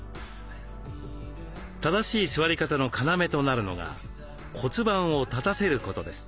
正しい座り方の要となるのが骨盤を立たせることです。